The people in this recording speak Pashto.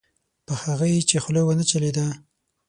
په هغه یې چې خوله ونه چلېده.